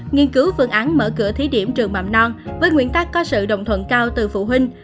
nghiên cứu phương án mở cửa thí điểm trường mầm non với nguyên tắc có sự đồng thuận cao từ phụ huynh